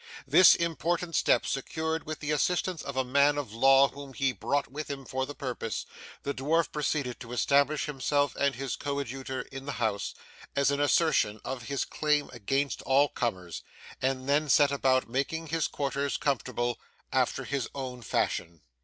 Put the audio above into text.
This important step secured, with the assistance of a man of law whom he brought with him for the purpose, the dwarf proceeded to establish himself and his coadjutor in the house, as an assertion of his claim against all comers; and then set about making his quarters comfortable, after his own fashion.